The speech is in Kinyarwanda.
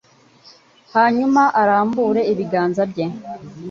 hanyuma arambure ibiganza bye,